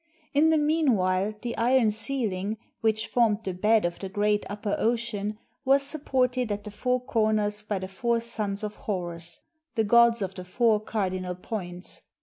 In the mean while the iron ceiling, which formed the bed of the great upper ocean, was supported at the four comers by the four sons of Horns — the gods of the four cardinal points.